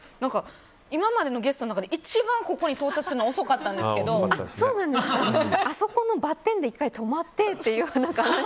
今までのゲストの中で一番ここに到達するのあそこのバッテンで１回止まってっていう話が。